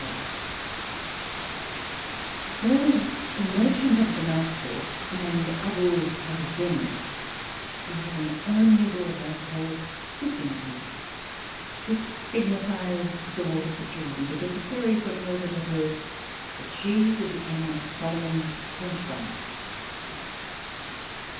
_] There was a merchant of Damascus named Aboulcasem, who had an only daughter called Pissimissi, which signifies the waters of Jordan; because a fairy foretold at her birth that she would be one of Solomon's concubines.